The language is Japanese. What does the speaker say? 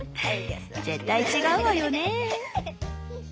「絶対違うわよね」。